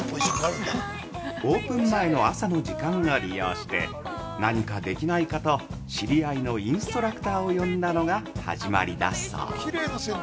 オープン前の朝の時間を利用して何かできないかと知り合いのインストラクターを呼んだのが始まりだそう。